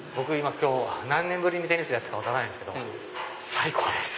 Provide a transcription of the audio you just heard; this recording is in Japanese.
今日何年ぶりにテニスやったか分からないですけど最高です。